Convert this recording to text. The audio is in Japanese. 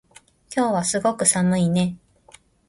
今日はすごく寒いね